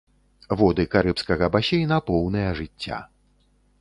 Воды карыбскага басейна поўныя жыцця.